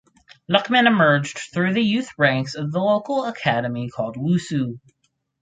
Lukman emerged through the youth ranks of local academy called Wusu.